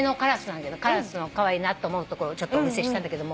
カラスのカワイイなと思うとこちょっとお見せしたんだけど。